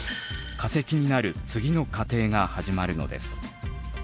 化石になる次の過程が始まるのです。